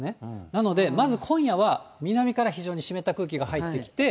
なので、まず今夜は、南から非常に湿った空気が入ってきて。